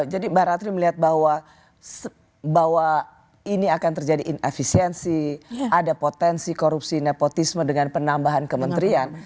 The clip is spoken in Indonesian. jadi mbak ratri melihat bahwa ini akan terjadi inefisiensi ada potensi korupsi nepotisme dengan penambahan kementerian